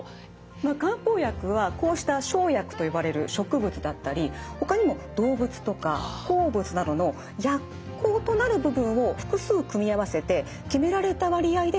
漢方薬はこうした生薬と呼ばれる植物だったりほかにも動物とか鉱物などの薬効となる部分を複数組み合わせて決められた割合で調合されたものを漢方薬といいます。